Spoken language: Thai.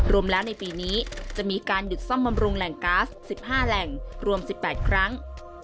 รวมแล้วในปีนี้จะมีการหยุดซ่อมบำรุงแหล่งก๊าซ๑๕แหล่งรวม๑๘ครั้ง